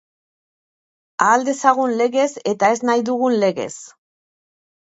Ahal dezagun legez eta ez nahi dugun legez.